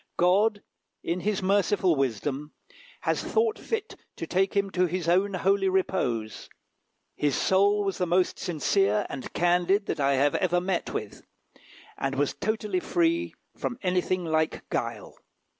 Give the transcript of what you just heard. God, in his merciful wisdom, has thought fit to take him to his own holy repose. His soul was the most sincere and candid that I have ever met with, and was totally free from anything like guile.